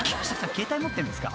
携帯持ってんすか］